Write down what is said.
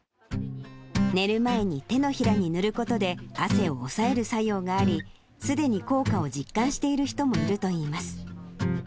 寝る前に手のひらに塗ることで、汗を抑える作用があり、すでに効果を実感している人もいるといいます。